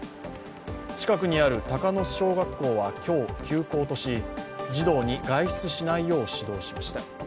近くにある鷹巣小学校は今日、休校とし児童に外出しないよう指導しました。